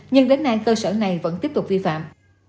nhưng đến nay cơ sở này vẫn tiếp tục vi phạm